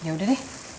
ya udah deh